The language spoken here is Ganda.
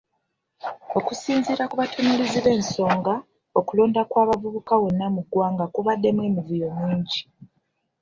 Okusinziira ku batunuulizi b’ensonga, okulonda kw’abavubuka wonna mu ggwanga kubaddemu emivuyo mingi.